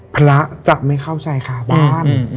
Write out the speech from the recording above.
พระจับไม่เข้าใจข่าวบ้าน